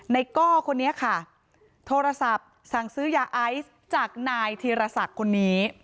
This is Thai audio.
ก้อคนนี้ค่ะโทรศัพท์สั่งซื้อยาไอซ์จากนายธีรศักดิ์คนนี้